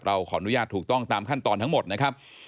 ขออนุญาตถูกต้องตามขั้นตอนทั้งหมดนะครับ